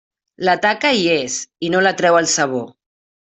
La taca hi és, i no la treu el sabó.